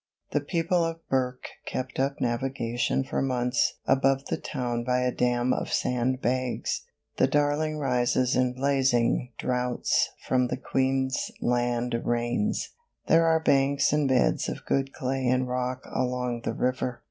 The people of Bourke kept up navigation for months above the town by a dam of sand bags. The Darling rises in blazing droughts from the Queensland rains. There are banks and beds of good clay and rock along the river.